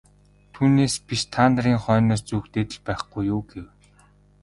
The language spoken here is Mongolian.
Түүнээс биш та нарын хойноос зүүгдээд л байхгүй юу гэв.